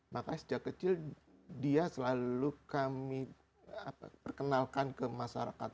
makanya sejak kecil dia selalu kami perkenalkan ke masyarakat